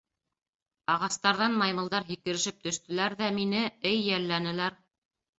Ағастарҙан маймылдар һикерешеп төштөләр ҙә мине, эй, йәлләнеләр.